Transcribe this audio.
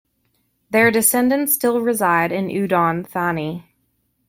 Their descendants still reside in Udon Thani.